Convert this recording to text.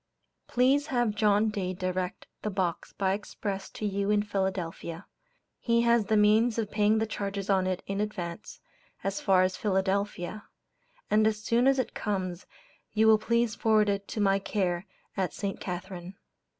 Please have John Dade direct the box by express to you in Philadelphia; he has the means of paying the charges on it in advance, as far as Philadelphia; and as soon as it comes, you will please forward it on to my care at St. Catherine.